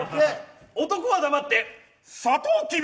男は黙ってサトウキビ。